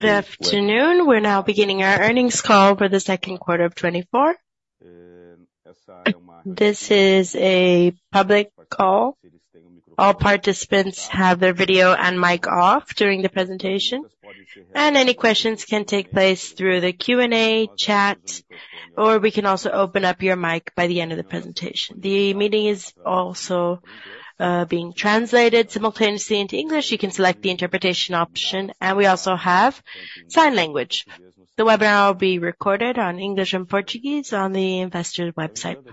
Good afternoon. We're now beginning our earnings call for the second quarter of 2024. This is a public call. All participants have their video and mic off during the presentation. Any questions can take place through the Q&A chat, or we can also open up your mic by the end of the presentation. The meeting is also being translated simultaneously into English. You can select the interpretation option. We also have sign language. The webinar will be recorded in English and Portuguese on the investor website.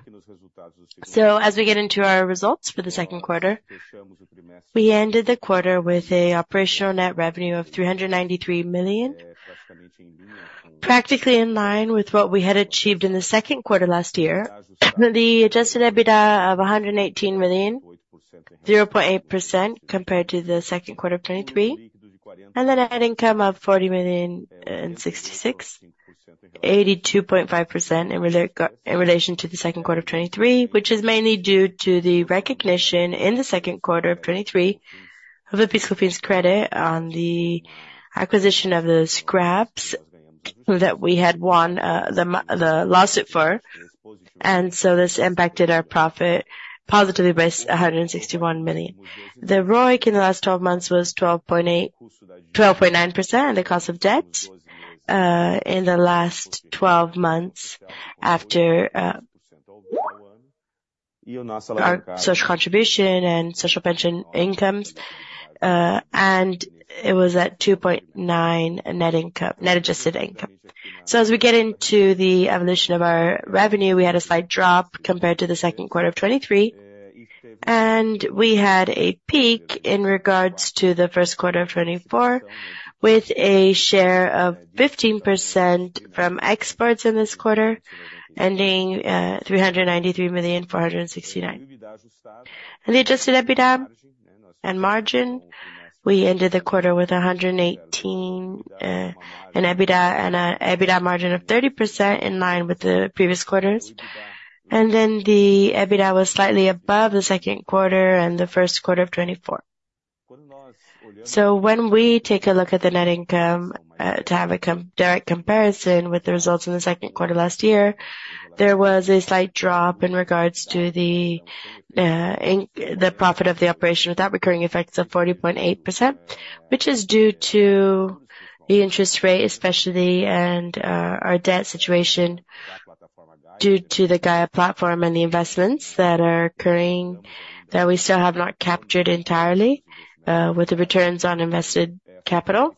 So, as we get into our results for the second quarter, we ended the quarter with an operational net revenue of 393 million, practically in line with what we had achieved in the second quarter last year, the adjusted EBITDA of 118 million, 0.8% compared to the second quarter of 2023, and then net income of BRL 40.66 million, 82.5% in relation to the second quarter of 2023, which is mainly due to the recognition in the second quarter of 2023 of the PIS/COFINS credit on the acquisition of the scrap that we had won the lawsuit for. And so this impacted our profit positively by 161 million. The ROIC in the last 12 months was 12.9%. The cost of debt in the last 12 months after social contribution and social pension incomes, and it was at 2.9 net adjusted income. As we get into the evolution of our revenue, we had a slight drop compared to the second quarter of 2023. We had a peak in regards to the first quarter of 2024, with a share of 15% from exports in this quarter, ending 393.469 million. The adjusted EBITDA and margin, we ended the quarter with an EBITDA and a margin of 30% in line with the previous quarters. Then the EBITDA was slightly above the second quarter and the first quarter of 2024. So, when we take a look at the net income to have a direct comparison with the results in the second quarter last year, there was a slight drop in regards to the profit of the operation without recurring effects of 40.8%, which is due to the interest rate, especially our debt situation due to the Gaia platform and the investments that are occurring that we still have not captured entirely with the returns on invested capital,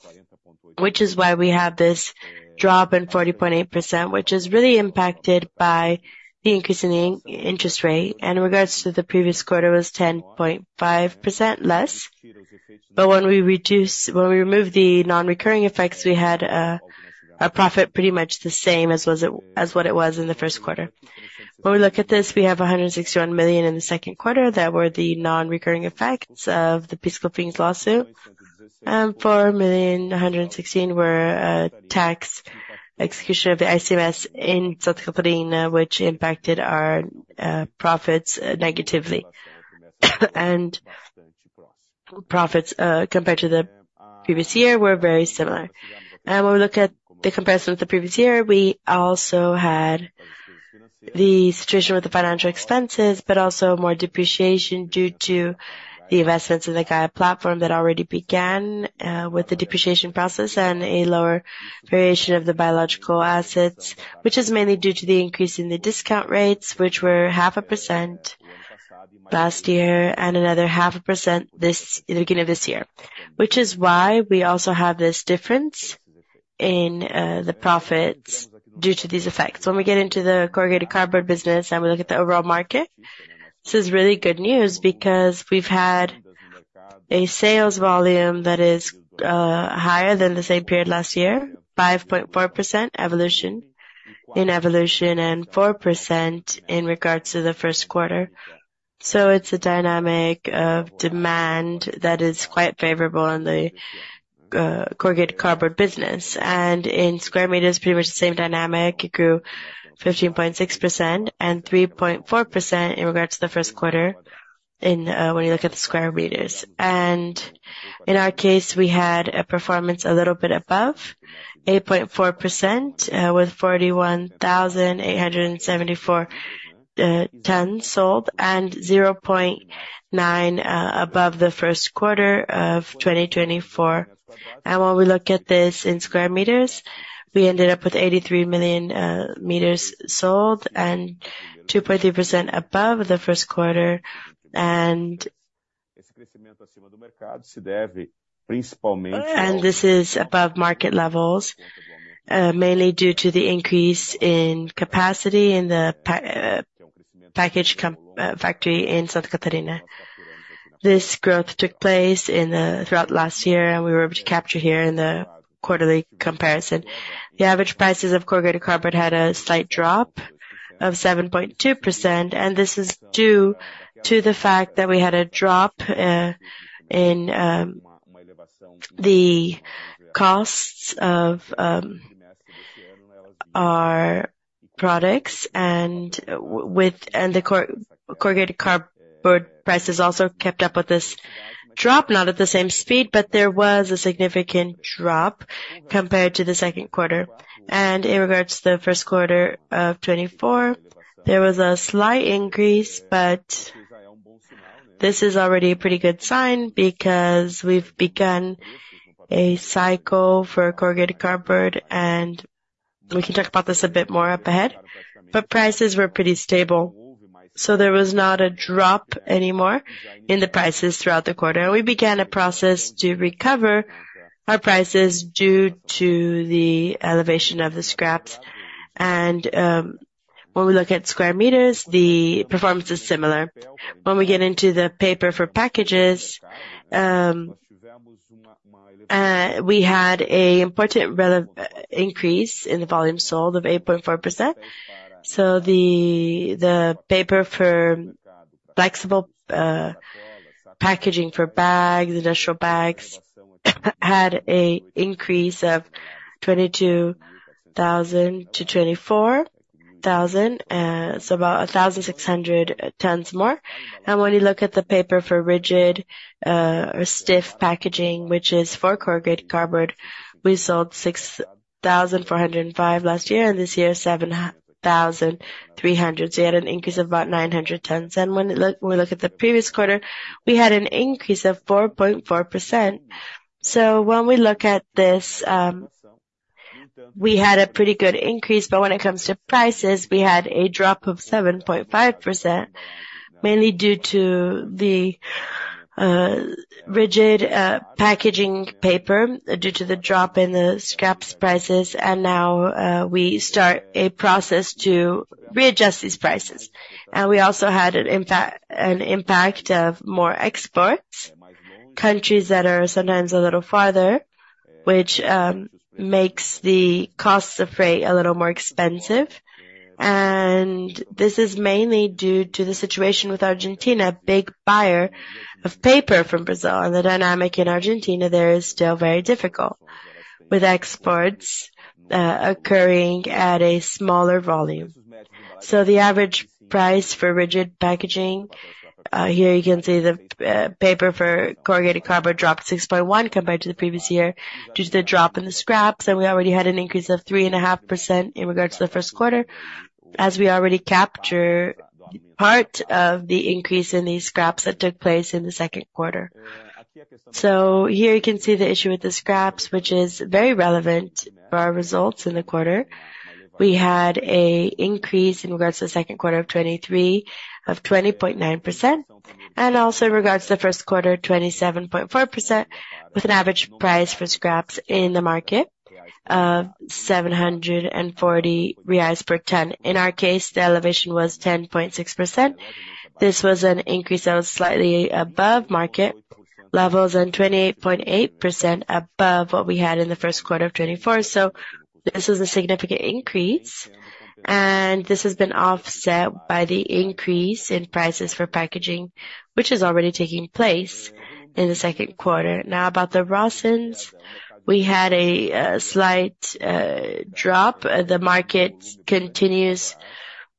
which is why we have this drop in 40.8%, which is really impacted by the increase in the interest rate. And in regards to the previous quarter, it was 10.5% less. But when we remove the non-recurring effects, we had a profit pretty much the same as what it was in the first quarter. When we look at this, we have 161 million in the second quarter that were the non-recurring effects of the PIS/COFINS lawsuit. And 4.116 million were tax execution of the ICMS in Santa Catarina, which impacted our profits negatively. And profits compared to the previous year were very similar. And when we look at the comparison with the previous year, we also had the situation with the financial expenses, but also more depreciation due to the investments in the Gaia platform that already began with the depreciation process and a lower variation of the biological assets, which is mainly due to the increase in the discount rates, which were 0.5% last year and another 0.5% at the beginning of this year, which is why we also have this difference in the profits due to these effects. When we get into the corrugated cardboard business and we look at the overall market, this is really good news because we've had a sales volume that is higher than the same period last year, 5.4% evolution in evolution and 4% in regards to the first quarter. So, it's a dynamic of demand that is quite favorable in the corrugated cardboard business. And in square meters, pretty much the same dynamic. It grew 15.6% and 3.4% in regards to the first quarter when you look at the square meters. And in our case, we had a performance a little bit above, 8.4% with 41,874 tons sold and 0.9 above the first quarter of 2024. And when we look at this in square meters, we ended up with 83 million meters sold and 2.3% above the first quarter. This is above market levels, mainly due to the increase in capacity in the packaging factory in Santa Catarina. This growth took place throughout last year, and we were able to capture here in the quarterly comparison. The average prices of corrugated cardboard had a slight drop of 7.2%. This is due to the fact that we had a drop in the costs of our products. The corrugated cardboard prices also kept up with this drop, not at the same speed, but there was a significant drop compared to the second quarter. In regards to the first quarter of 2024, there was a slight increase, but this is already a pretty good sign because we've begun a cycle for corrugated cardboard, and we can talk about this a bit more up ahead. Prices were pretty stable. There was not a drop anymore in the prices throughout the quarter. We began a process to recover our prices due to the elevation of the scraps. When we look at square meters, the performance is similar. When we get into the paper for packages, we had an important increase in the volume sold of 8.4%. The paper for flexible packaging for bags, industrial bags, had an increase of 22,000-24,000, so about 1,600 tons more. When you look at the paper for rigid or stiff packaging, which is for corrugated cardboard, we sold 6,405 last year and this year 7,300. We had an increase of about 900 tons. When we look at the previous quarter, we had an increase of 4.4%. So, when we look at this, we had a pretty good increase, but when it comes to prices, we had a drop of 7.5%, mainly due to the rigid packaging paper, due to the drop in the scraps prices. Now we start a process to readjust these prices. We also had an impact of more exports, countries that are sometimes a little farther, which makes the costs of freight a little more expensive. This is mainly due to the situation with Argentina, a big buyer of paper from Brazil. The dynamic in Argentina there is still very difficult, with exports occurring at a smaller volume. So, the average price for rigid packaging, here you can see the paper for corrugated cardboard dropped 6.1 compared to the previous year due to the drop in the scraps. We already had an increase of 3.5% in regards to the first quarter, as we already capture part of the increase in these scraps that took place in the second quarter. So, here you can see the issue with the scraps, which is very relevant for our results in the quarter. We had an increase in regards to the second quarter of 2023 of 20.9%. Also in regards to the first quarter, 27.4%, with an average price for scraps in the market of 740 reais per ton. In our case, the elevation was 10.6%. This was an increase that was slightly above market levels and 28.8% above what we had in the first quarter of 2024. So, this was a significant increase. This has been offset by the increase in prices for packaging, which is already taking place in the second quarter. Now, about the rosins, we had a slight drop. The market continues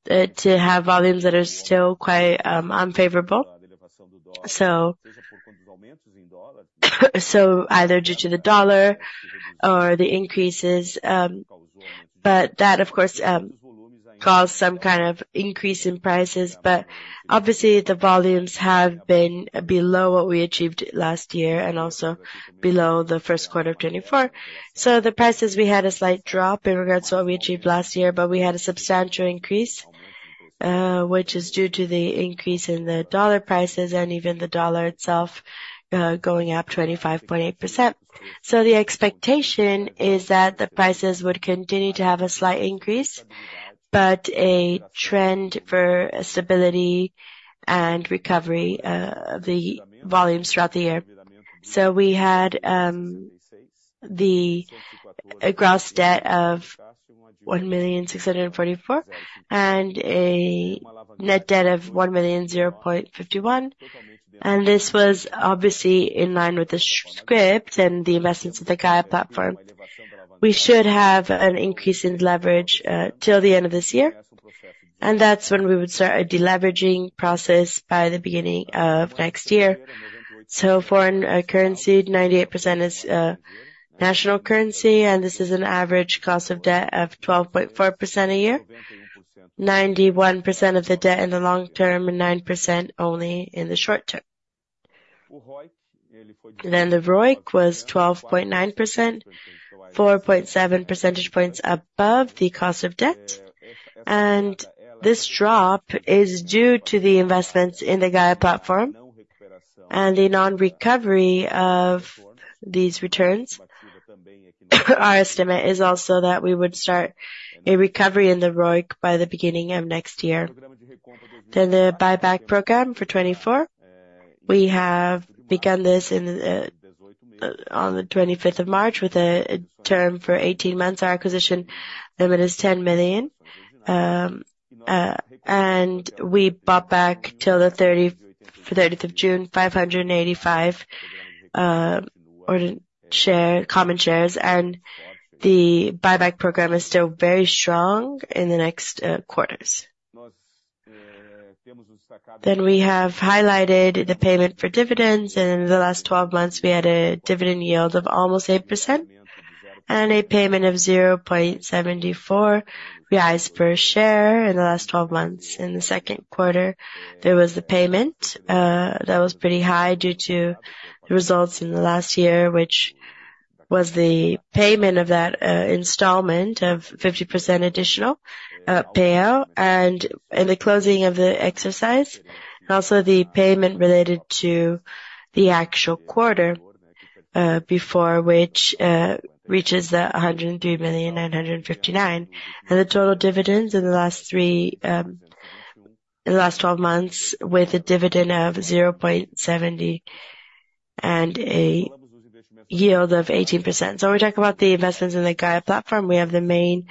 to have volumes that are still quite unfavorable. So, either due to the dollar or the increases. But that, of course, caused some kind of increase in prices. But obviously, the volumes have been below what we achieved last year and also below the first quarter of 2024. So, the prices, we had a slight drop in regards to what we achieved last year, but we had a substantial increase, which is due to the increase in the dollar prices and even the dollar itself going up 25.8%. So, the expectation is that the prices would continue to have a slight increase, but a trend for stability and recovery of the volumes throughout the year. So, we had the gross debt of 1,644 and a net debt of 1,051. This was obviously in line with the script and the investments of the Gaia platform. We should have an increase in leverage till the end of this year. That's when we would start a deleveraging process by the beginning of next year. Foreign currency, 98% is national currency, and this is an average cost of debt of 12.4% a year, 91% of the debt in the long term, and 9% only in the short term. The ROIC was 12.9%, 4.7 percentage points above the cost of debt. This drop is due to the investments in the Gaia platform and the non-recovery of these returns. Our estimate is also that we would start a recovery in the ROIC by the beginning of next year. The buyback program for 2024. We have begun this on the 25th of March with a term for 18 months. Our acquisition limit is 10 million. We bought back till the 30th of June, 585 Common shares. The buyback program is still very strong in the next quarters. We have highlighted the payment for dividends. In the last 12 months, we had a dividend yield of almost 8% and a payment of 0.74 reais per share in the last 12 months. In the second quarter, there was the payment that was pretty high due to the results in the last year, which was the payment of that installment of 50% additional payout and the closing of the exercise. Also the payment related to the actual quarter before which reaches 103,959. The total dividends in the last 12 months with a dividend of 0.70 and a yield of 18%. We talk about the investments in the Gaia platform. We have the main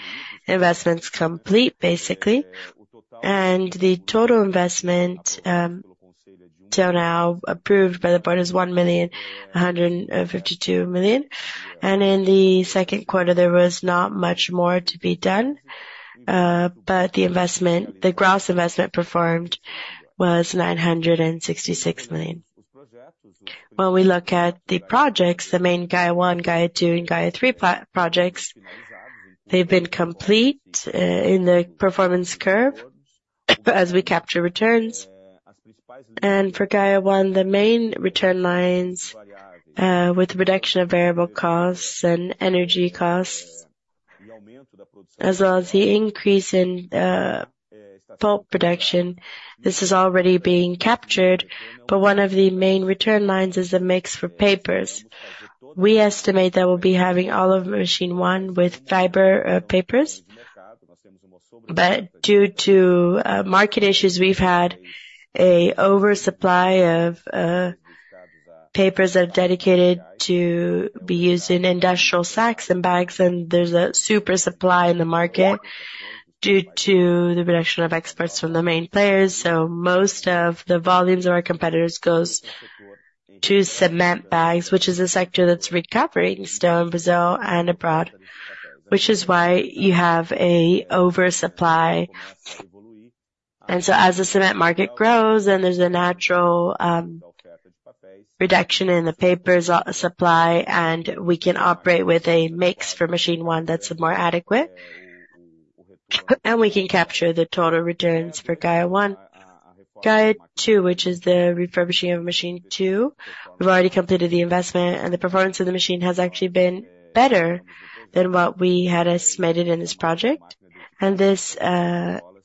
investments complete, basically. The total investment till now approved by the board is 1,152 million. In the second quarter, there was not much more to be done. The gross investment performed was 966 million. When we look at the projects, the main Gaia 1, Gaia 2, and Gaia 3 projects, they've been complete in the performance curve as we capture returns. For Gaia 1, the main return lines with reduction of variable costs and energy costs, as well as the increase in pulp production, this is already being captured. One of the main return lines is a mix for papers. We estimate that we'll be having all of machine one with fiber papers. But due to market issues, we've had an oversupply of papers that are dedicated to be used in industrial sacks and bags. There's a super supply in the market due to the reduction of exports from the main players. So, most of the volumes of our competitors go to cement bags, which is a sector that's recovering still in Brazil and abroad, which is why you have an oversupply. As the cement market grows, then there's a natural reduction in the paper supply, and we can operate with a mix for machine one that's more adequate. We can capture the total returns for Gaia 1. Gaia 2, which is the refurbishing of machine two, we've already completed the investment, and the performance of the machine has actually been better than what we had estimated in this project. This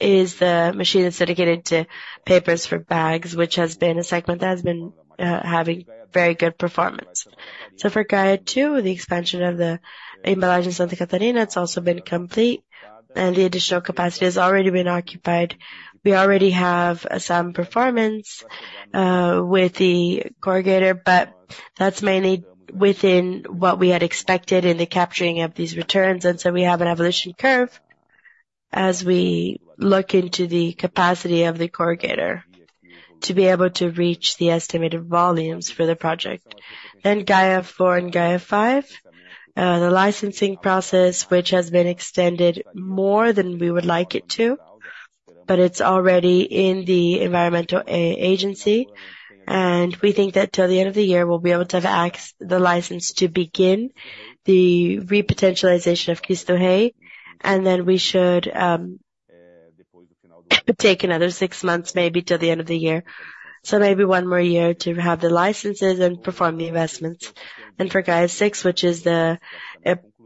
is the machine that's dedicated to papers for bags, which has been a segment that has been having very good performance. So, for Gaia 2, the expansion of the Embalagem Santa Catarina has also been complete, and the additional capacity has already been occupied. We already have some performance with the corrugator, but that's mainly within what we had expected in the capturing of these returns. And so, we have an evolution curve as we look into the capacity of the corrugator to be able to reach the estimated volumes for the project. Then Gaia 4 and Gaia 5, the licensing process, which has been extended more than we would like it to, but it's already in the environmental agency. And we think that till the end of the year, we'll be able to have the license to begin the repowering of Cristo Rei. And then we should take another six months, maybe till the end of the year. So, maybe one more year to have the licenses and perform the investments. For Gaia 6, which is the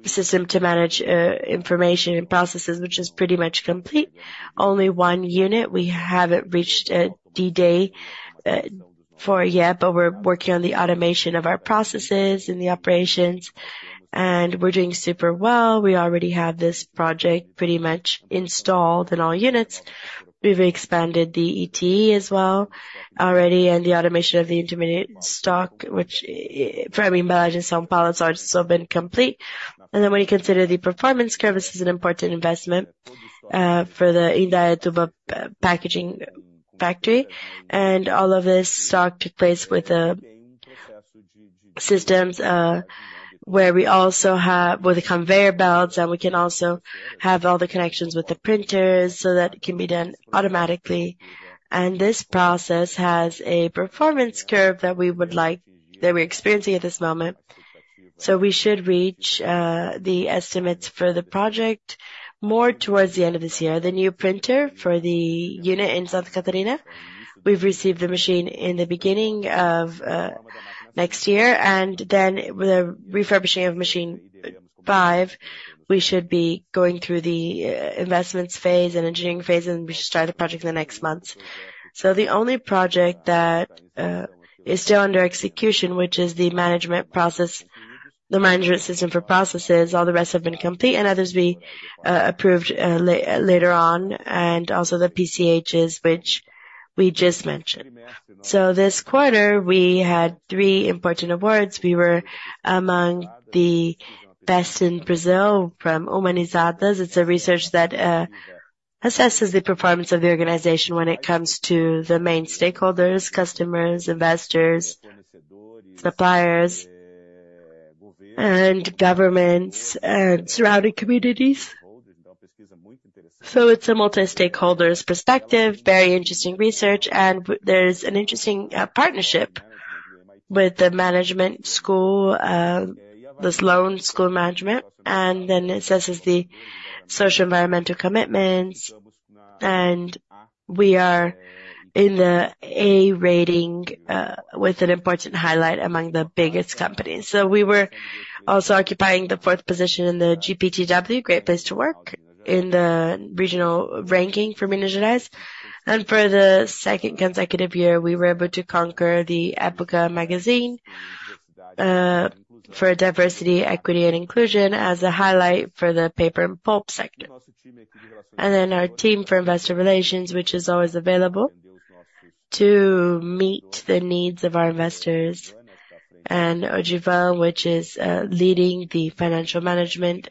system to manage information and processes, which is pretty much complete, only one unit. We haven't reached a D-day for yet, but we're working on the automation of our processes and the operations. We're doing super well. We already have this project pretty much installed in all units. We've expanded the ETE as well already, and the automation of the intermediate stock, which for Embalagem São Paulo has also been complete. Then when you consider the performance curve, this is an important investment for the Indaiatuba packaging factory. All of this stock took place with the systems where we also have with the conveyor belts, and we can also have all the connections with the printers so that it can be done automatically. This process has a performance curve that we would like that we're experiencing at this moment. So, we should reach the estimates for the project more towards the end of this year. The new printer for the unit in Santa Catarina, we've received the machine in the beginning of next year. And then with the refurbishing of machine 5, we should be going through the investments phase and engineering phase, and we should start the project in the next months. So, the only project that is still under execution, which is the management process, the management system for processes, all the rest have been complete, and others we approved later on, and also the PCHs, which we just mentioned. So, this quarter, we had 3 important awards. We were among the best in Brazil from Humanizadas. It's a research that assesses the performance of the organization when it comes to the main stakeholders, customers, investors, suppliers, and governments, and surrounding communities. So, it's a multi-stakeholders perspective, very interesting research, and there's an interesting partnership with the management school, this London School of Management. And then it assesses the socio-environmental commitments, and we are in the A rating with an important highlight among the biggest companies. So, we were also occupying the fourth position in the GPTW, Great Place to Work in the regional ranking for Minas Gerais. And for the second consecutive year, we were able to conquer the Época magazine for diversity, equity, and inclusion as a highlight for the paper and pulp sector. And then our team for investor relations, which is always available to meet the needs of our investors, and Odivan, which is leading the financial management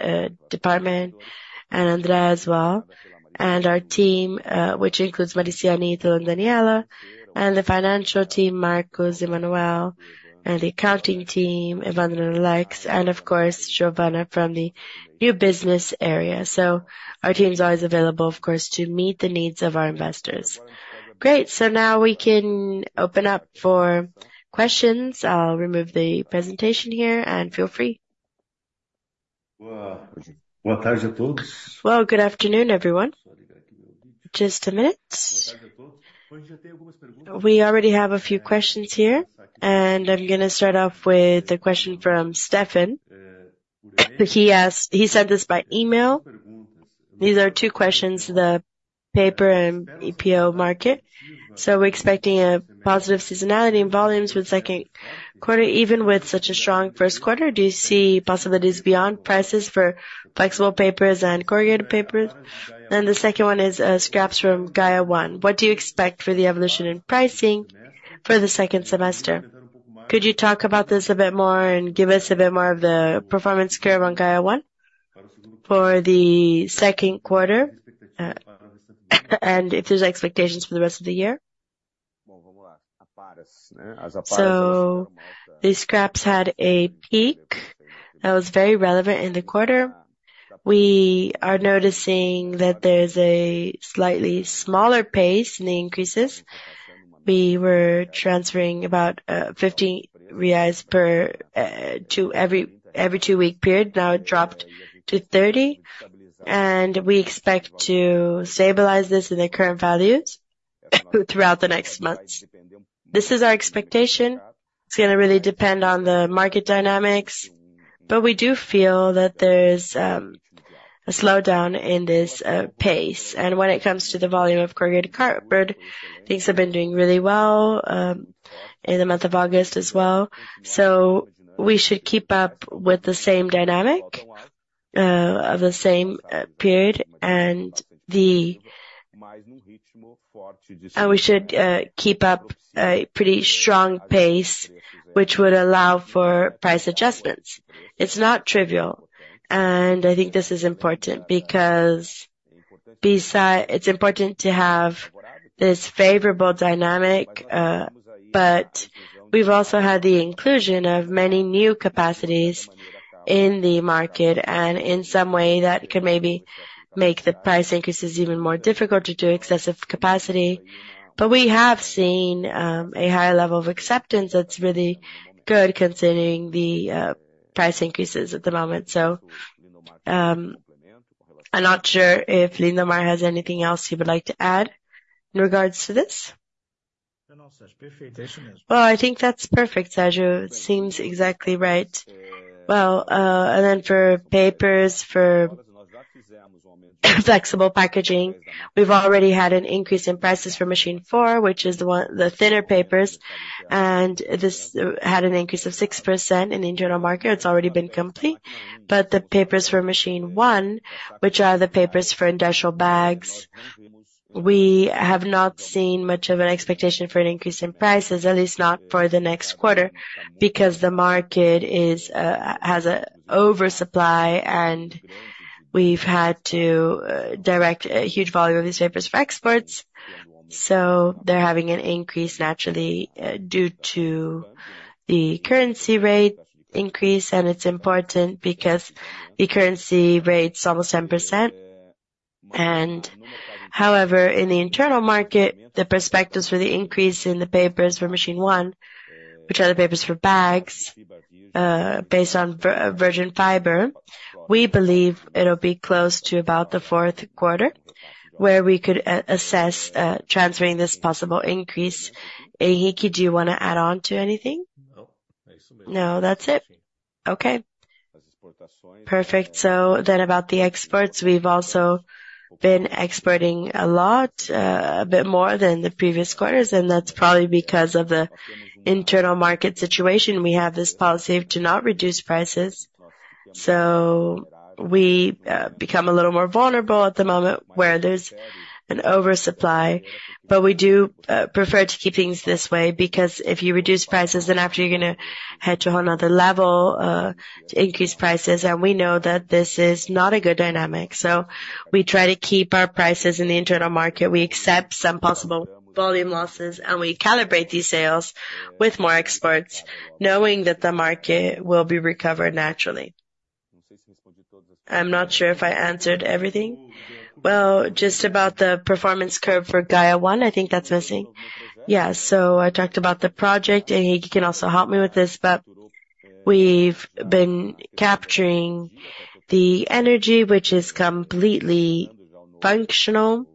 department, and André as well. Our team, which includes Marciana Ito, and Daniela, and the financial team, Marcos, Emanuel, and the accounting team, Evandro and Alex, and of course, Giovanna from the new business area. Our team is always available, of course, to meet the needs of our investors. Great. Now we can open up for questions. I'll remove the presentation here, and feel free. Well, good afternoon, everyone. Just a minute. We already have a few questions here. I'm going to start off with a question from Stefan. He sent this by email. These are two questions, the paper and EPO market. We're expecting a positive seasonality and volumes with second quarter, even with such a strong first quarter. Do you see possibilities beyond prices for flexible papers and corrugated papers? And the second one is scraps from Gaia 1. What do you expect for the evolution in pricing for the second semester? Could you talk about this a bit more and give us a bit more of the performance curve on Gaia 1 for the second quarter? And if there's expectations for the rest of the year? So, the scraps had a peak that was very relevant in the quarter. We are noticing that there's a slightly smaller pace in the increases. We were transferring about 15 reais to every two-week period. Now it dropped to 30 BRL. And we expect to stabilize this in the current values throughout the next months. This is our expectation. It's going to really depend on the market dynamics. But we do feel that there's a slowdown in this pace. And when it comes to the volume of corrugated cardboard, things have been doing really well in the month of August as well. So, we should keep up with the same dynamic of the same period. We should keep up a pretty strong pace, which would allow for price adjustments. It's not trivial. I think this is important because it's important to have this favorable dynamic. But we've also had the inclusion of many new capacities in the market. And in some way, that could maybe make the price increases even more difficult to do excessive capacity. But we have seen a higher level of acceptance that's really good considering the price increases at the moment. So, I'm not sure if Lindamar has anything else you would like to add in regards to this. Well, I think that's perfect, Sérgio. It seems exactly right. Well, and then for papers for flexible packaging, we've already had an increase in prices for machine 4, which is the thinner papers. This had an increase of 6% in the internal market. It's already been complete. But the papers for machine 1, which are the papers for industrial bags, we have not seen much of an expectation for an increase in prices, at least not for the next quarter, because the market has an oversupply and we've had to direct a huge volume of these papers for exports. So, they're having an increase naturally due to the currency rate increase. And it's important because the currency rate's almost 10%. And however, in the internal market, the perspectives for the increase in the papers for machine 1, which are the papers for bags based on virgin fiber, we believe it'll be close to about the fourth quarter where we could assess transferring this possible increase. Henrique, do you want to add on to anything? No, that's it. Okay. Perfect. So then about the exports, we've also been exporting a lot, a bit more than the previous quarters. And that's probably because of the internal market situation. We have this policy of to not reduce prices. So, we become a little more vulnerable at the moment where there's an oversupply. But we do prefer to keep things this way because if you reduce prices, then after you're going to head to another level to increase prices. And we know that this is not a good dynamic. So, we try to keep our prices in the internal market. We accept some possible volume losses, and we calibrate these sales with more exports, knowing that the market will be recovered naturally. I'm not sure if I answered everything. Well, just about the performance curve for Gaia 1, I think that's missing. Yeah. So, I talked about the project. Henrique can also help me with this. But we've been capturing the energy, which is completely functional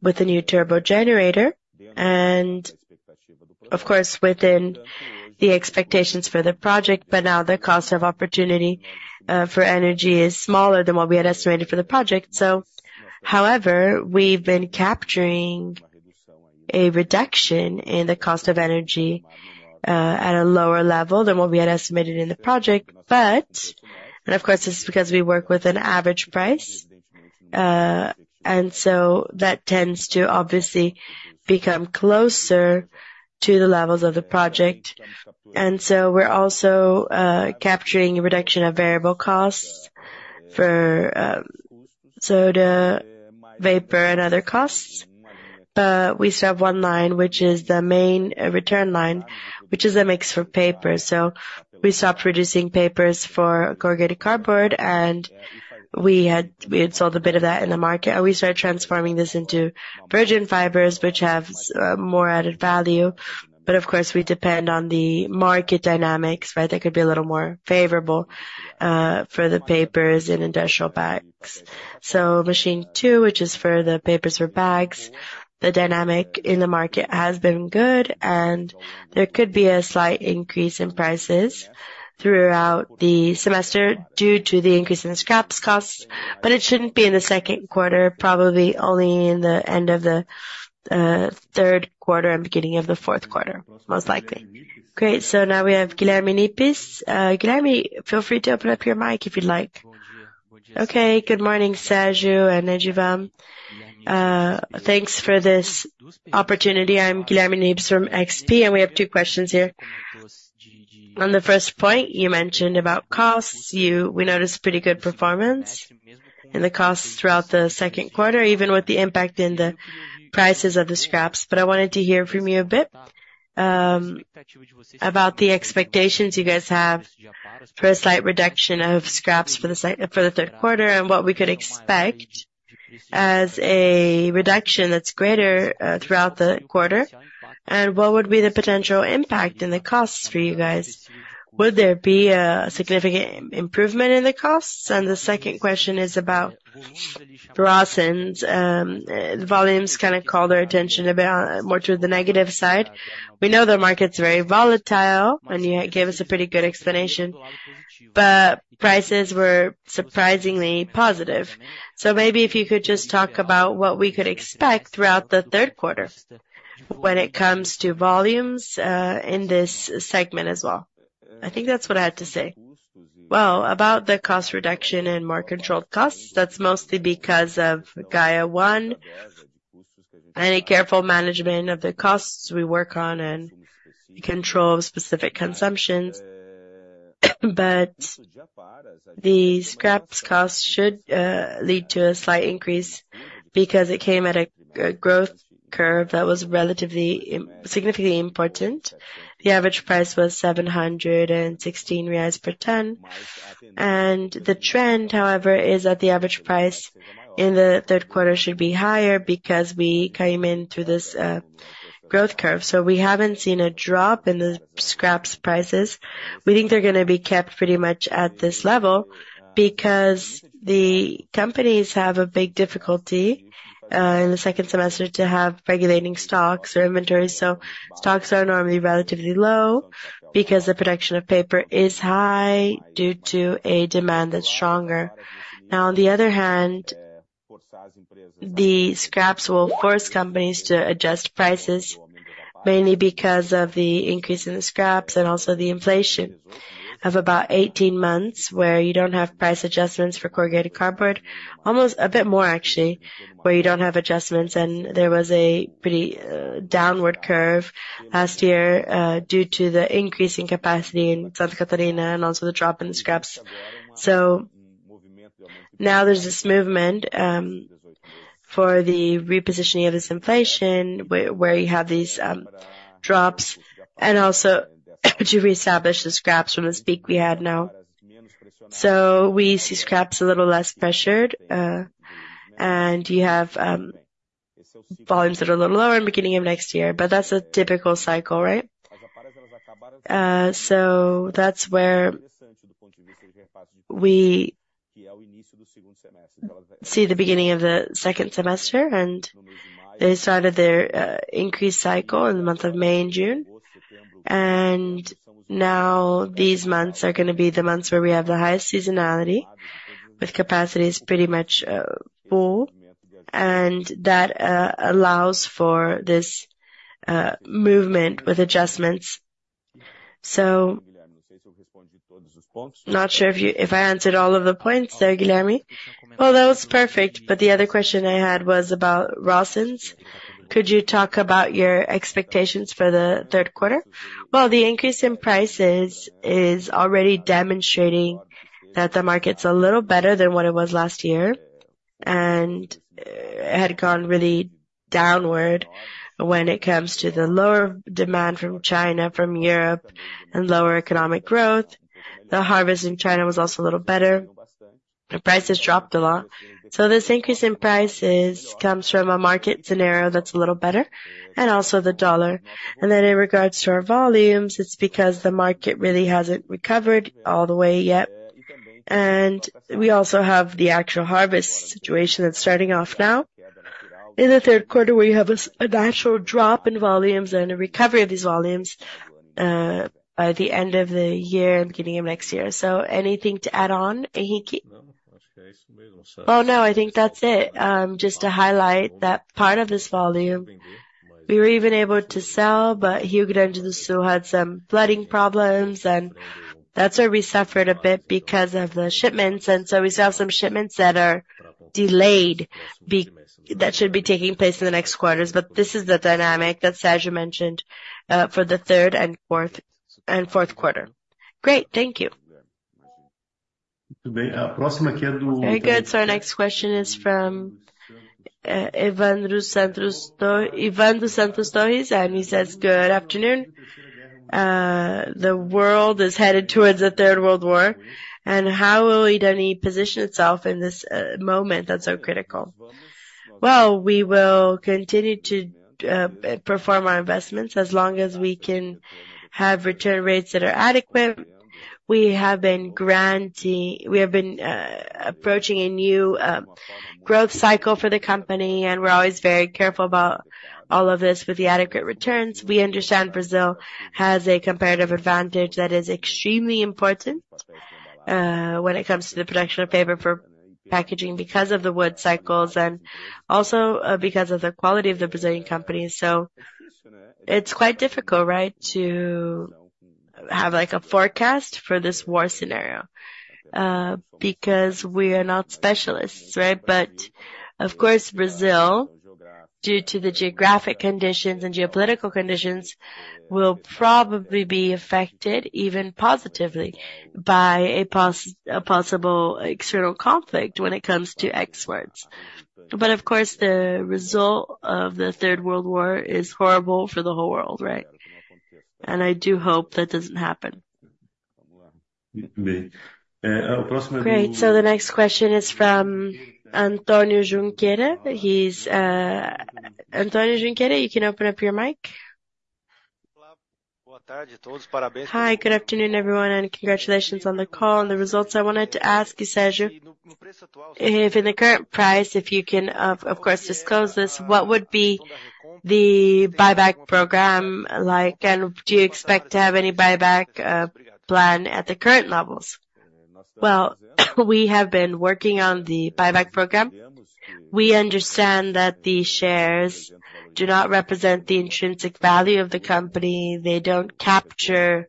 with the new turbo generator. And of course, within the expectations for the project. But now the cost of opportunity for energy is smaller than what we had estimated for the project. So, however, we've been capturing a reduction in the cost of energy at a lower level than what we had estimated in the project. But, and of course, this is because we work with an average price. And so, that tends to obviously become closer to the levels of the project. And so, we're also capturing a reduction of variable costs for soda vapor and other costs. But we still have one line, which is the main return line, which is a mix for papers. So, we stopped producing papers for corrugated cardboard, and we had sold a bit of that in the market. We started transforming this into virgin fibers, which have more added value. But of course, we depend on the market dynamics, right? That could be a little more favorable for the papers and industrial bags. So, machine 2, which is for the papers for bags, the dynamic in the market has been good. And there could be a slight increase in prices throughout the semester due to the increase in the scraps costs. But it shouldn't be in the second quarter, probably only in the end of the third quarter and beginning of the fourth quarter, most likely. Great. So now we have Guilherme Nippes. Guilherme, feel free to open up your mic if you'd like. Okay. Good morning, Sérgio and Ojiba. Thanks for this opportunity. I'm Guilherme Nippes from XP, and we have two questions here. On the first point, you mentioned about costs. We noticed pretty good performance in the costs throughout the second quarter, even with the impact in the prices of the scraps. But I wanted to hear from you a bit about the expectations you guys have for a slight reduction of scraps for the third quarter and what we could expect as a reduction that's greater throughout the quarter. And what would be the potential impact in the costs for you guys? Would there be a significant improvement in the costs? And the second question is about the volumes kind of called our attention a bit more to the negative side. We know the market's very volatile, and you gave us a pretty good explanation. But prices were surprisingly positive. So maybe if you could just talk about what we could expect throughout the third quarter when it comes to volumes in this segment as well. I think that's what I had to say. Well, about the cost reduction and more controlled costs, that's mostly because of Gaia 1 and a careful management of the costs we work on and control of specific consumptions. But the scraps costs should lead to a slight increase because it came at a growth curve that was significantly important. The average price was 716 reais per ton. And the trend, however, is that the average price in the third quarter should be higher because we came in through this growth curve. So we haven't seen a drop in the scraps prices. We think they're going to be kept pretty much at this level because the companies have a big difficulty in the second semester to have regulating stocks or inventories. So stocks are normally relatively low because the production of paper is high due to a demand that's stronger. Now, on the other hand, the scraps will force companies to adjust prices, mainly because of the increase in the scraps and also the inflation of about 18 months where you don't have price adjustments for corrugated cardboard, almost a bit more actually, where you don't have adjustments. And there was a pretty downward curve last year due to the increase in capacity in Santa Catarina and also the drop in the scraps. So now there's this movement for the repositioning of this inflation where you have these drops and also to reestablish the scraps from this peak we had now. So we see scraps a little less pressured, and you have volumes that are a little lower in the beginning of next year. But that's a typical cycle, right? So that's where we see the beginning of the second semester. And they started their increased cycle in the month of May and June. And now these months are going to be the months where we have the highest seasonality with capacities pretty much full. And that allows for this movement with adjustments. So not sure if I answered all of the points there, Guilherme. Well, that was perfect. But the other question I had was about Rosins. Could you talk about your expectations for the third quarter? Well, the increase in prices is already demonstrating that the market's a little better than what it was last year. It had gone really downward when it comes to the lower demand from China, from Europe, and lower economic growth. The harvest in China was also a little better. The prices dropped a lot. So this increase in prices comes from a market scenario that's a little better and also the dollar. And then in regards to our volumes, it's because the market really hasn't recovered all the way yet. And we also have the actual harvest situation that's starting off now in the third quarter where you have a natural drop in volumes and a recovery of these volumes by the end of the year and beginning of next year. So anything to add on, Henrique? Oh, no, I think that's it. Just to highlight that part of this volume, we were even able to sell, but Rio Grande do Sul had some flooding problems. And that's where we suffered a bit because of the shipments. And so we still have some shipments that are delayed that should be taking place in the next quarters. But this is the dynamic that Sérgio mentioned for the third and fourth quarter. Great. Thank you. Very good. So our next question is from Ivan dos Santos Torres. And he says, "Good afternoon. The world is headed towards a Third World War. And how will it position itself in this moment that's so critical?" Well, we will continue to perform our investments as long as we can have return rates that are adequate. We have been approaching a new growth cycle for the company. And we're always very careful about all of this with the adequate returns. We understand Brazil has a comparative advantage that is extremely important when it comes to the production of paper for packaging because of the wood cycles and also because of the quality of the Brazilian companies. So it's quite difficult, right, to have a forecast for this war scenario because we are not specialists, right? But of course, Brazil, due to the geographic conditions and geopolitical conditions, will probably be affected even positively by a possible external conflict when it comes to exports. But of course, the result of the Third World War is horrible for the whole world, right? And I do hope that doesn't happen. Great. So the next question is from Antonio Junqueira. Antonio Junqueira, you can open up your mic. Hi, good afternoon, everyone, and congratulations on the call and the results. I wanted to ask you, Sérgio, if in the current price, if you can, of course, disclose this, what would be the buyback program like? And do you expect to have any buyback plan at the current levels? Well, we have been working on the buyback program. We understand that the shares do not represent the intrinsic value of the company. They don't capture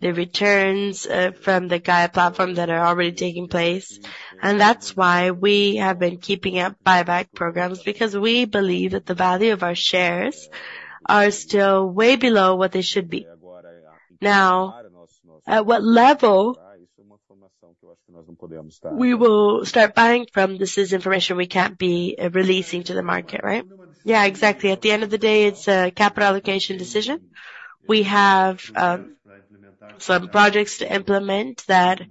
the returns from the Gaia platform that are already taking place. And that's why we have been keeping up buyback programs because we believe that the value of our shares are still way below what they should be. Now, at what level we will start buying from, this is information we can't be releasing to the market, right? Yeah, exactly. At the end of the day, it's a capital allocation decision. We have some projects to implement that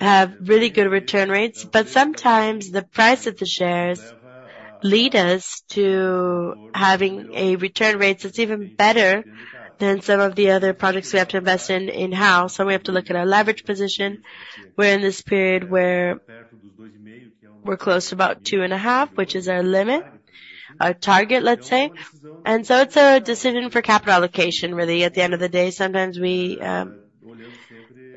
have really good return rates. But sometimes the price of the shares leads us to having a return rate that's even better than some of the other projects we have to invest in in-house. So we have to look at our leverage position. We're in this period where we're close to about 2.5, which is our limit, our target, let's say. And so it's a decision for capital allocation, really. At the end of the day, sometimes we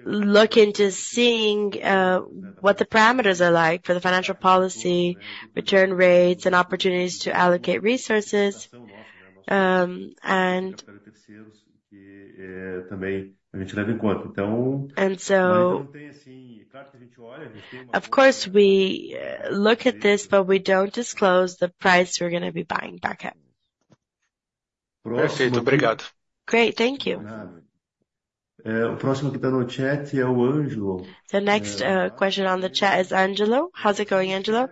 look into seeing what the parameters are like for the financial policy, return rates, and opportunities to allocate resources. And of course, we look at this, but we don't disclose the price we're going to be buying back at. Great. Thank you. The next question on the chat is Angelo. How's it going, Angelo?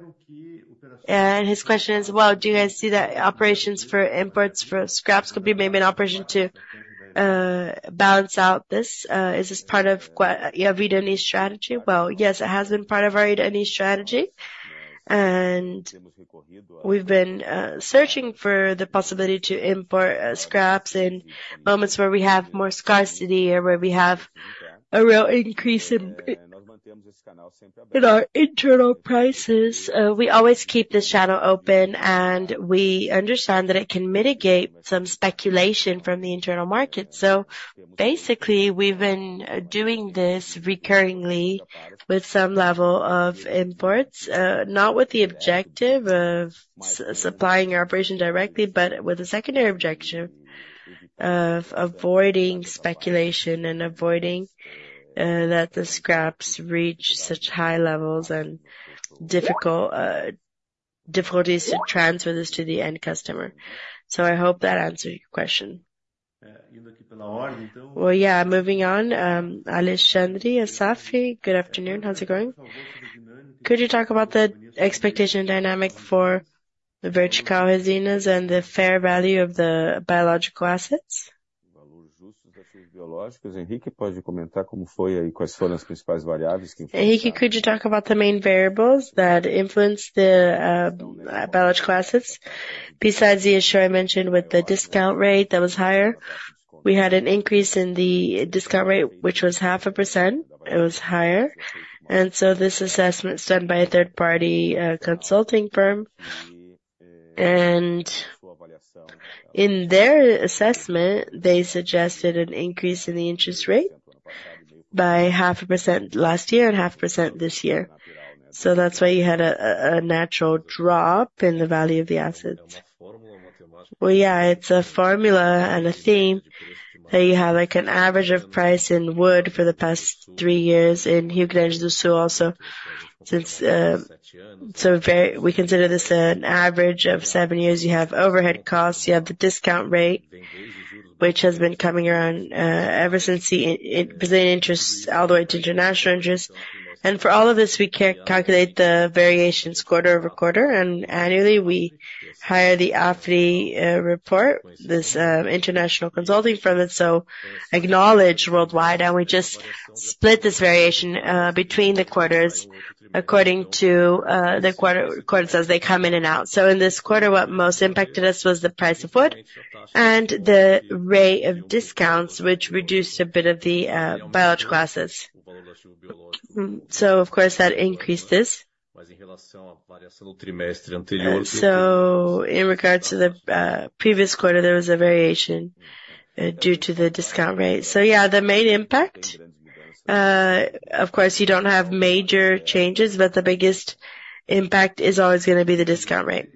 His question is, well, do you guys see that operations for imports for scraps could be maybe an operation to balance out this? Is this part of your read-only strategy? Well, yes, it has been part of our read-only strategy. We've been searching for the possibility to import scraps in moments where we have more scarcity or where we have a real increase in our internal prices. We always keep this channel open, and we understand that it can mitigate some speculation from the internal market. So basically, we've been doing this recurring with some level of imports, not with the objective of supplying our operation directly, but with a secondary objective of avoiding speculation and avoiding that the scraps reach such high levels and difficulties to transfer this to the end customer. So I hope that answers your question. Well, yeah, moving on. Alexandre Assaf, good afternoon. How's it going? Could you talk about the expectation dynamic for the vertical resins and the fair value of the biological assets? Henrique, could you talk about the main variables that influence the biological assets? Besides the issue I mentioned with the discount rate that was higher, we had an increase in the discount rate, which was 0.5%. It was higher. So this assessment is done by a third-party consulting firm. In their assessment, they suggested an increase in the interest rate by 0.5% last year and 0.5% this year. So that's why you had a natural drop in the value of the assets. Well, yeah, it's a formula and a theme that you have an average of price in wood for the past three years in Rio Grande do Sul also. So we consider this an average of seven years. You have overhead costs. You have the discount rate, which has been coming around ever since the Brazilian interest all the way to international interest. And for all of this, we can't calculate the variations quarter over quarter. And annually, we hire the Afry report, this international consulting firm, that's so acknowledged worldwide. And we just split this variation between the quarters according to the quarters as they come in and out. So in this quarter, what most impacted us was the price of wood and the rate of discounts, which reduced a bit of the biological assets. So, of course, that increased this. So in regards to the previous quarter, there was a variation due to the discount rate. So, yeah, the main impact, of course, you don't have major changes, but the biggest impact is always going to be the discount rate.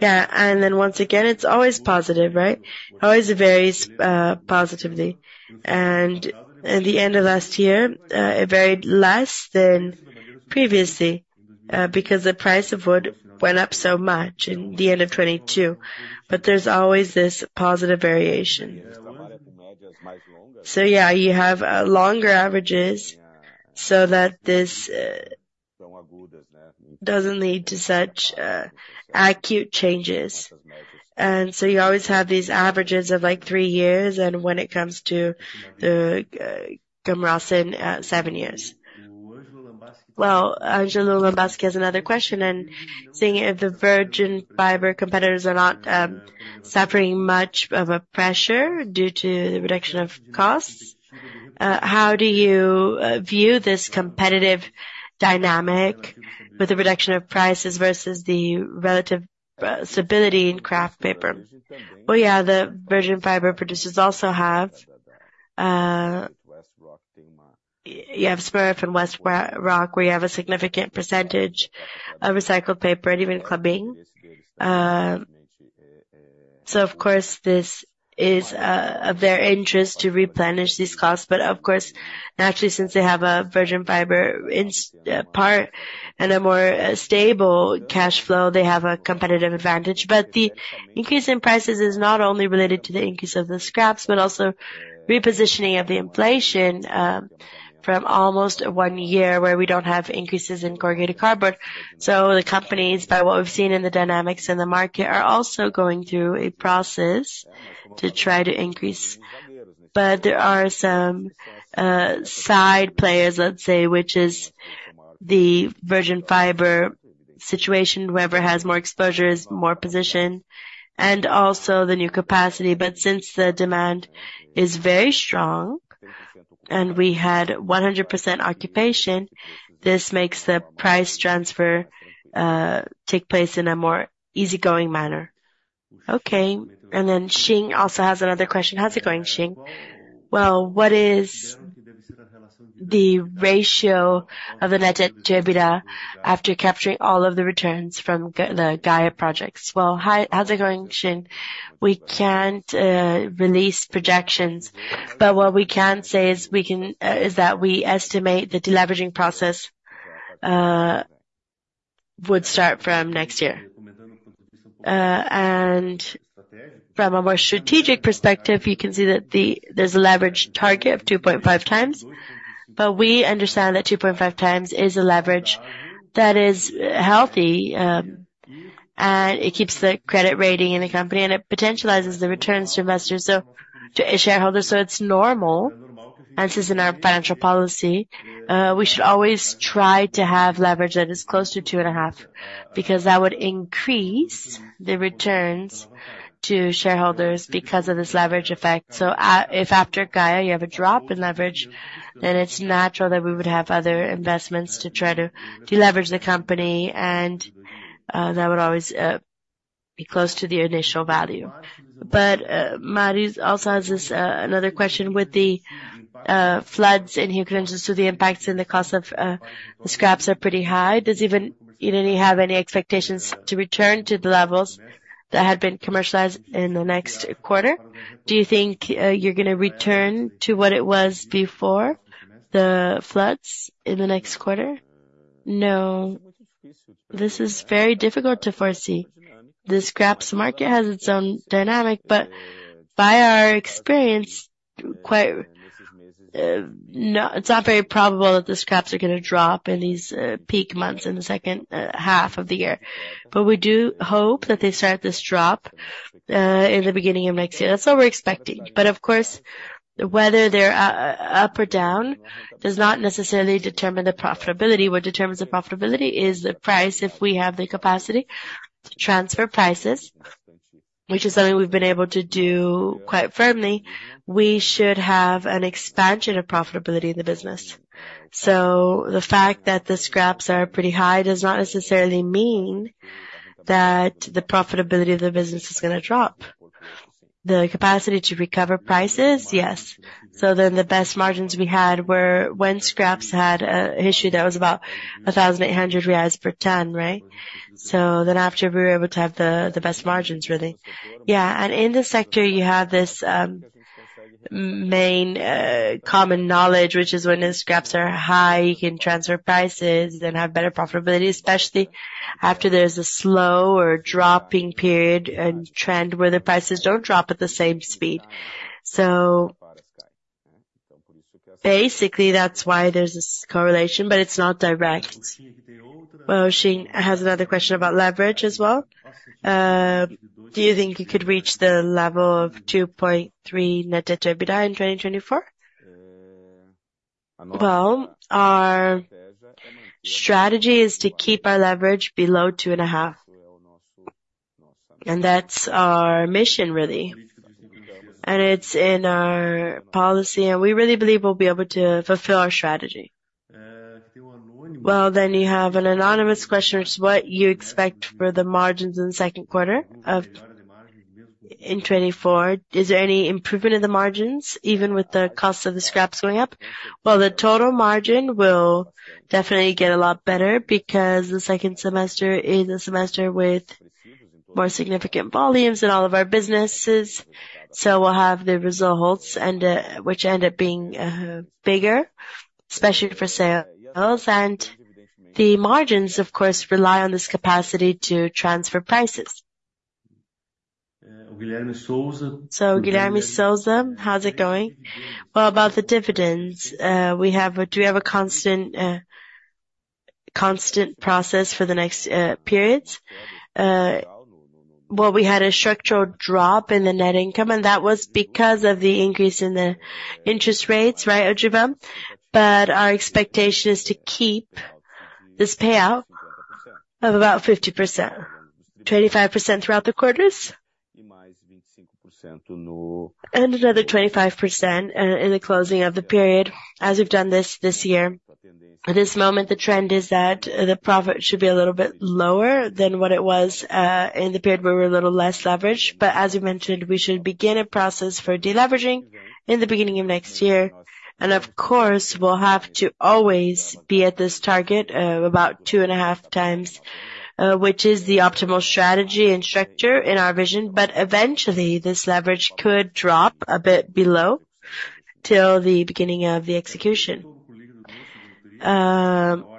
Yeah. And then once again, it's always positive, right? Always varies positively. And at the end of last year, it varied less than previously because the price of wood went up so much at the end of 2022. But there's always this positive variation. So, yeah, you have longer averages so that this doesn't lead to such acute changes. And so you always have these averages of like 3 years. And when it comes to the gum rosin, 7 years. Well, Angelo Lambasque has another question. And seeing if the virgin fiber competitors are not suffering much of a pressure due to the reduction of costs, how do you view this competitive dynamic with the reduction of prices versus the relative stability in kraft paper? Well, yeah, the virgin fiber producers also have you have Smurfit and WestRock, where you have a significant percentage of recycled paper and even Klabin. So, of course, this is of their interest to replenish these costs. But, of course, naturally, since they have a virgin fiber part and a more stable cash flow, they have a competitive advantage. But the increase in prices is not only related to the increase of the scraps, but also repositioning of the inflation from almost one year where we don't have increases in corrugated cardboard. So the companies, by what we've seen in the dynamics in the market, are also going through a process to try to increase. But there are some side players, let's say, which is the virgin fiber situation, whoever has more exposure is more positioned, and also the new capacity. But since the demand is very strong and we had 100% occupation, this makes the price transfer take place in a more easygoing manner. Okay. And then Xing also has another question. How's it going, Xing? Well, what is the ratio of the net debt to EBITDA after capturing all of the returns from the Gaia projects? Well, how's it going, Xing? We can't release projections. What we can say is that we estimate that the leveraging process would start from next year. From a more strategic perspective, you can see that there's a leverage target of 2.5 times. We understand that 2.5 times is a leverage that is healthy, and it keeps the credit rating in the company, and it potentializes the returns to investors, so to shareholders. It's normal, as is in our financial policy. We should always try to have leverage that is closer to 2.5 because that would increase the returns to shareholders because of this leverage effect. So if after Gaia you have a drop in leverage, then it's natural that we would have other investments to try to deleverage the company. And that would always be close to the initial value. But Marius also has another question. With the floods in Rio Grande do Sul, the impacts and the cost of the scraps are pretty high. Does EBITDA have any expectations to return to the levels that had been commercialized in the next quarter? Do you think you're going to return to what it was before the floods in the next quarter? No. This is very difficult to foresee. The scraps market has its own dynamic. But by our experience, it's not very probable that the scraps are going to drop in these peak months in the second half of the year. But we do hope that they start this drop in the beginning of next year. That's what we're expecting. But, of course, whether they're up or down does not necessarily determine the profitability. What determines the profitability is the price. If we have the capacity to transfer prices, which is something we've been able to do quite firmly, we should have an expansion of profitability in the business. So the fact that the scraps are pretty high does not necessarily mean that the profitability of the business is going to drop. The capacity to recover prices, yes. So then the best margins we had were when scraps had an issue that was about 1,800 reais per ton, right? So then after we were able to have the best margins, really. Yeah. In the sector, you have this main common knowledge, which is when the scraps are high, you can transfer prices and have better profitability, especially after there's a slow or dropping period and trend where the prices don't drop at the same speed. So basically, that's why there's this correlation, but it's not direct. Well, Xing has another question about leverage as well. Do you think you could reach the level of 2.3 net debt to EBITDA in 2024? Well, our strategy is to keep our leverage below 2.5. And that's our mission, really. And it's in our policy. And we really believe we'll be able to fulfill our strategy. Well, then you have an anonymous question, which is what you expect for the margins in the second quarter of 2024. Is there any improvement in the margins, even with the cost of the scraps going up? Well, the total margin will definitely get a lot better because the second semester is a semester with more significant volumes in all of our businesses. So we'll have the results, which end up being bigger, especially for sales. And the margins, of course, rely on this capacity to transfer prices. So Guilherme Souza, how's it going? Well, about the dividends, do we have a constant process for the next periods? Well, we had a structural drop in the net income, and that was because of the increase in the interest rates, right, Ojiba? But our expectation is to keep this payout of about 50%, 25% throughout the quarters, and another 25% in the closing of the period. As we've done this this year, at this moment, the trend is that the profit should be a little bit lower than what it was in the period where we're a little less leveraged. But as you mentioned, we should begin a process for deleveraging in the beginning of next year. Of course, we'll have to always be at this target of about 2.5 times, which is the optimal strategy and structure in our vision. But eventually, this leverage could drop a bit below till the beginning of the execution. So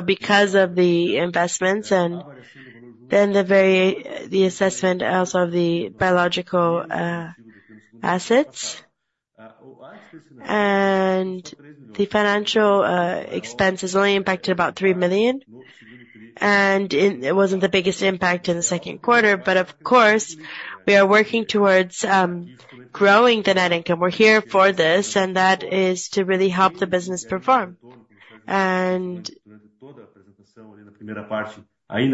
because of the investments and then the assessment also of the biological assets, and the financial expense has only impacted about 3 million. And it wasn't the biggest impact in the second quarter. But, of course, we are working towards growing the net income. We're here for this, and that is to really help the business perform. And then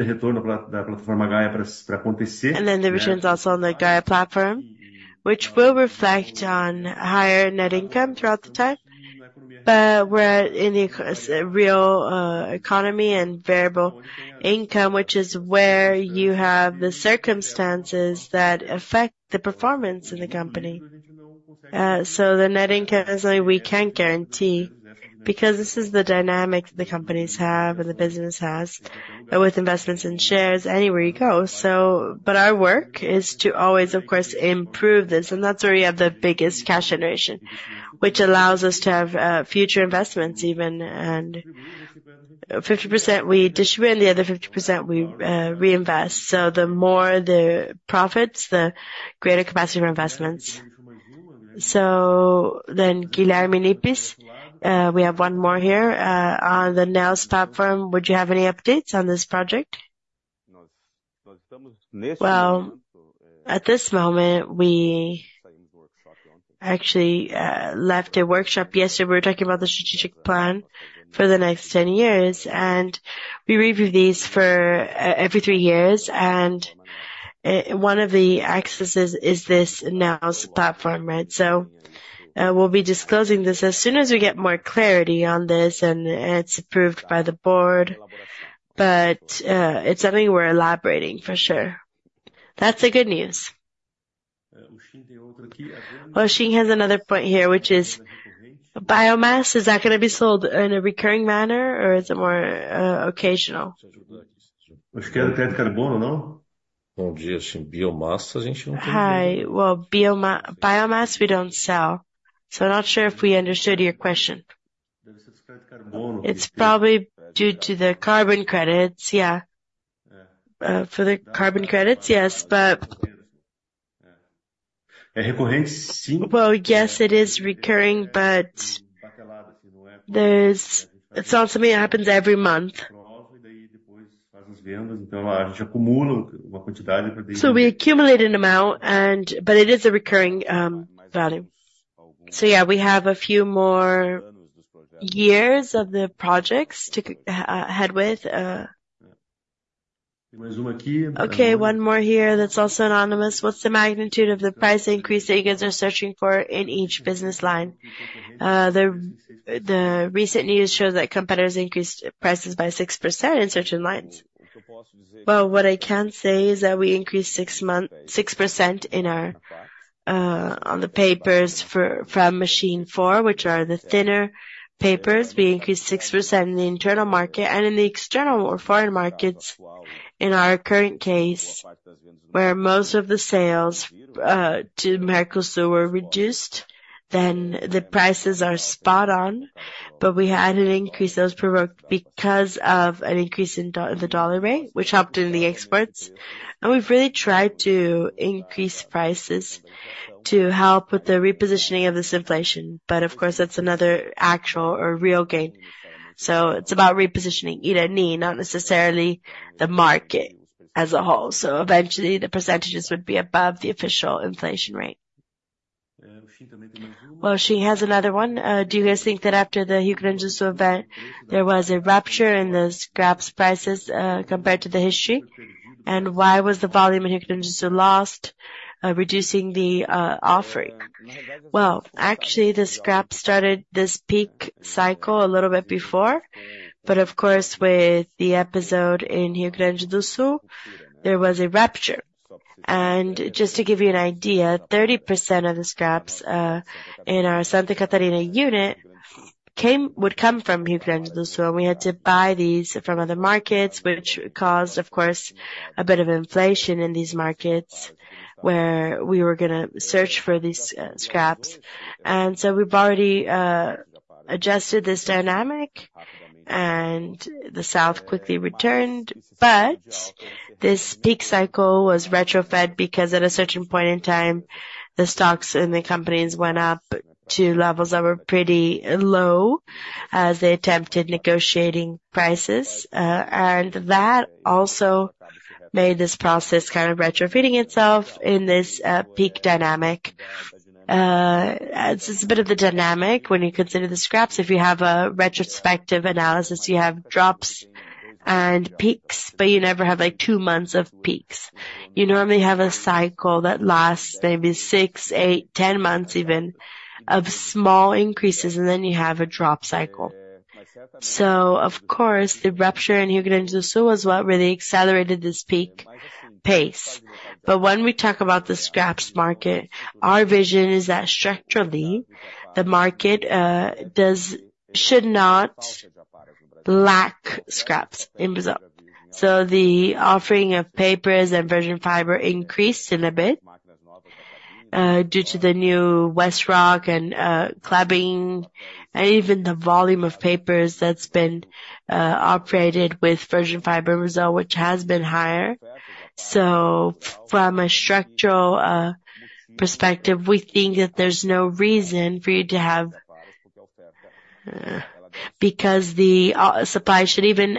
the returns also on the Gaia platform, which will reflect on higher net income throughout the time. But we're in a real economy and variable income, which is where you have the circumstances that affect the performance of the company. So the net income is something we can't guarantee because this is the dynamic the companies have and the business has with investments in shares anywhere you go. But our work is to always, of course, improve this. And that's where you have the biggest cash generation, which allows us to have future investments even. And 50% we distribute, and the other 50% we reinvest. So the more the profits, the greater capacity for investments. So then Guilherme Nippes, we have one more here on the Néos platform. Would you have any updates on this project? Well, at this moment, we actually left a workshop yesterday. We were talking about the strategic plan for the next 10 years. And we review these for every three years. And one of the accesses is this Néos platform, right? So we'll be disclosing this as soon as we get more clarity on this and it's approved by the board. But it's something we're elaborating for sure. That's the good news. Well, Xing has another point here, which is biomass. Is that going to be sold in a recurring manner, or is it more occasional? Bom dia, Xing. Biomassa, a gente não tem. Well, biomass, we don't sell. So I'm not sure if we understood your question. It's probably due to the carbon credits, yeah. For the carbon credits, yes. But well, yes, it is recurring, but it's not something that happens every month. So we accumulate an amount, but it is a recurring value. So, yeah, we have a few more years of the projects to head with. Okay, one more here that's also anonymous. What's the magnitude of the price increase that you guys are searching for in each business line? The recent news shows that competitors increased prices by 6% in certain lines. Well, what I can say is that we increased 6% on the papers from machine 4, which are the thinner papers. We increased 6% in the internal market and in the external or foreign markets. In our current case, where most of the sales to Mercosur were reduced, then the prices are spot on. But we had an increase that was provoked because of an increase in the dollar rate, which helped in the exports. And we've really tried to increase prices to help with the repositioning of this inflation. But, of course, that's another actual or real gain. So it's about repositioning it any, not necessarily the market as a whole. So eventually, the percentages would be above the official inflation rate. Well, Xing has another one. Do you guys think that after the Rio Grande do Sul event, there was a rupture in the scraps prices compared to the history? And why was the volume in Rio Grande do Sul lost, reducing the offering? Well, actually, the scraps started this peak cycle a little bit before. But, of course, with the episode in Rio Grande do Sul, there was a rupture. Just to give you an idea, 30% of the scraps in our Santa Catarina unit would come from Rio Grande do Sul. So we had to buy these from other markets, which caused, of course, a bit of inflation in these markets where we were going to search for these scraps. We've already adjusted this dynamic, and the south quickly returned. But this peak cycle was retrofitted because, at a certain point in time, the stocks in the companies went up to levels that were pretty low as they attempted negotiating prices. And that also made this process kind of retrofitting itself in this peak dynamic. It's a bit of the dynamic when you consider the scraps. If you have a retrospective analysis, you have drops and peaks, but you never have two months of peaks. You normally have a cycle that lasts maybe 6, 8, 10 months even of small increases, and then you have a drop cycle. So, of course, the rupture in Rio Grande do Sul was what really accelerated this peak pace. But when we talk about the scraps market, our vision is that structurally, the market should not lack scraps in Brazil. So the offering of papers and virgin fiber increased in a bit due to the new WestRock and Klabin, and even the volume of papers that's been operated with virgin fiber Brazil, which has been higher. So from a structural perspective, we think that there's no reason for you to have because the supply should even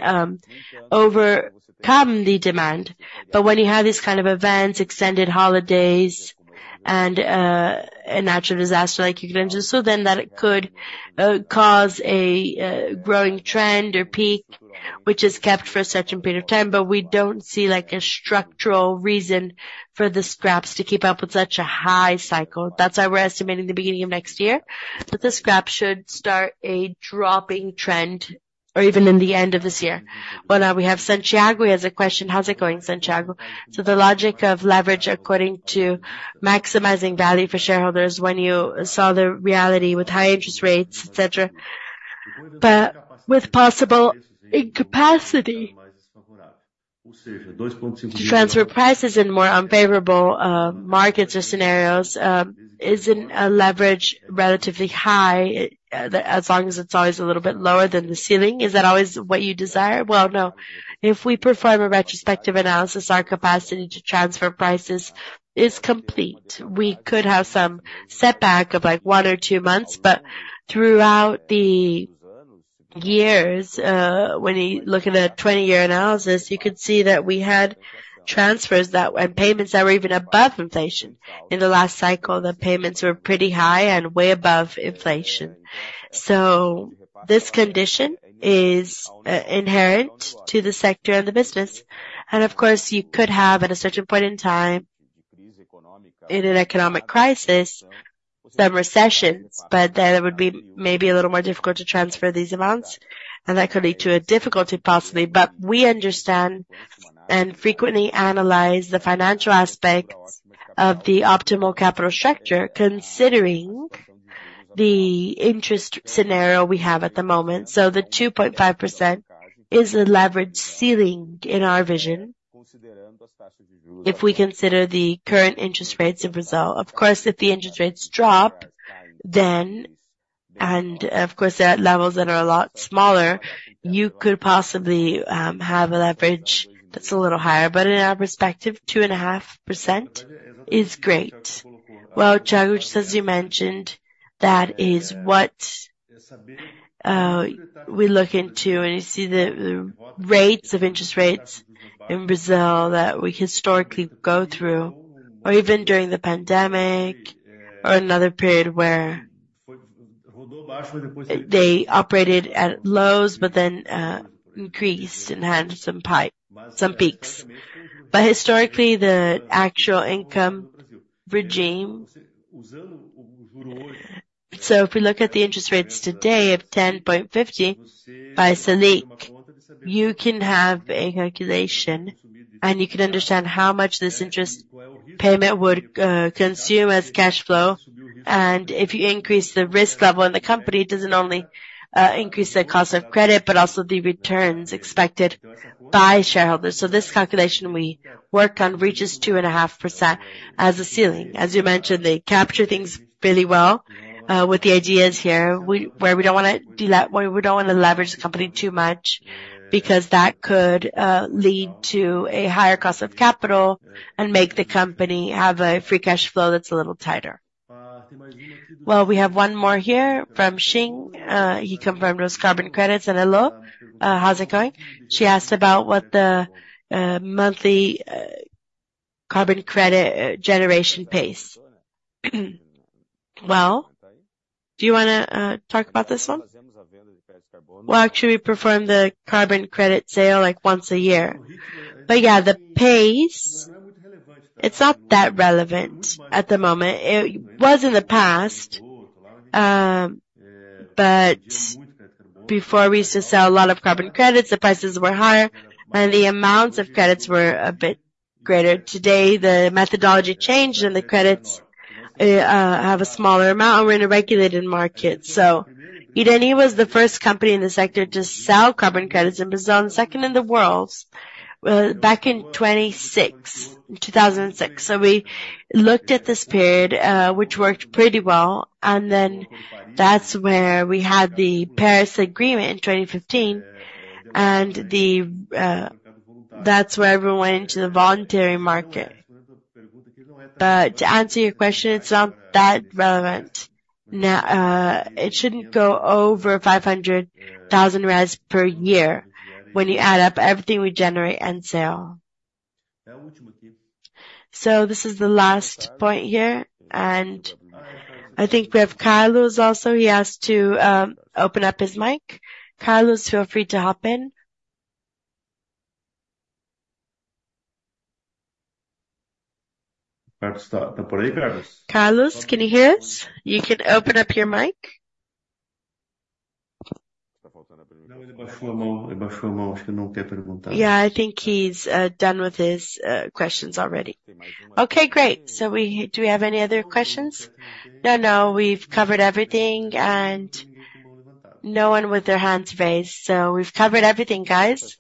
overcome the demand. But when you have these kind of events, extended holidays, and a natural disaster like Rio Grande do Sul, then that could cause a growing trend or peak, which is kept for a certain period of time. But we don't see a structural reason for the scraps to keep up with such a high cycle. That's why we're estimating the beginning of next year that the scraps should start a dropping trend or even in the end of this year. Well, now we have Tiago. He has a question. How's it going, Tiago? So the logic of leverage according to maximizing value for shareholders when you saw the reality with high interest rates, etc., but with possible incapacity to transfer prices in more unfavorable markets or scenarios, isn't leverage relatively high as long as it's always a little bit lower than the ceiling? Is that always what you desire? Well, no. If we perform a retrospective analysis, our capacity to transfer prices is complete. We could have some setback of 1 or 2 months. But throughout the years, when you look at a 20-year analysis, you could see that we had transfers and payments that were even above inflation. In the last cycle, the payments were pretty high and way above inflation. So this condition is inherent to the sector and the business. And, of course, you could have, at a certain point in time, in an economic crisis, some recessions, but then it would be maybe a little more difficult to transfer these amounts. And that could lead to a difficulty, possibly. But we understand and frequently analyze the financial aspects of the optimal capital structure, considering the interest scenario we have at the moment. So the 2.5% is the leverage ceiling in our vision if we consider the current interest rates in Brazil. Of course, if the interest rates drop, then, and of course, at levels that are a lot smaller, you could possibly have a leverage that's a little higher. But in our perspective, 2.5% is great. Well, Tiago, just as you mentioned, that is what we look into. And you see the rates of interest rates in Brazil that we historically go through, or even during the pandemic or another period where they operated at lows but then increased and had some peaks. But historically, the actual income regime. So if we look at the interest rates today of 10.50% Selic, you can have a calculation, and you can understand how much this interest payment would consume as cash flow. And if you increase the risk level in the company, it doesn't only increase the cost of credit but also the returns expected by shareholders. So this calculation we work on reaches 2.5% as a ceiling. As you mentioned, they capture things really well with the ideas here where we don't want to leverage the company too much because that could lead to a higher cost of capital and make the company have a free cash flow that's a little tighter. Well, we have one more here from Xing. He confirmed those carbon credits. And hello, how's it going? She asked about what the monthly carbon credit generation pace. Well, do you want to talk about this one? Well, actually, we perform the carbon credit sale once a year. But yeah, the pace, it's not that relevant at the moment. It was in the past, but before we used to sell a lot of carbon credits, the prices were higher, and the amounts of credits were a bit greater. Today, the methodology changed, and the credits have a smaller amount. We're in a regulated market. So Irani was the first company in the sector to sell carbon credits in Brazil, and second in the world back in 2006. So we looked at this period, which worked pretty well. And then that's where we had the Paris Agreement in 2015. And that's where everyone went into the voluntary market. But to answer your question, it's not that relevant. It shouldn't go over 500,000 per year when you add up everything we generate and sell. So this is the last point here. And I think we have Carlos also. He has to open up his mic. Carlos, feel free to hop in. Carlos, can you hear us? You can open up your mic. Yeah, I think he's done with his questions already. Okay, great. So do we have any other questions? No, no. We've covered everything. And no one with their hands raised. So we've covered everything, guys.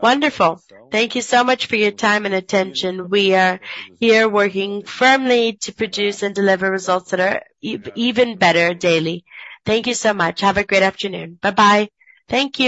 Wonderful. Thank you so much for your time and attention. We are here working firmly to produce and deliver results that are even better daily. Thank you so much. Have a great afternoon. Bye-bye. Thank you.